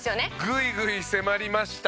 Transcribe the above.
グイグイ迫りました